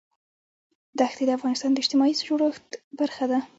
ښتې د افغانستان د اجتماعي جوړښت برخه ده.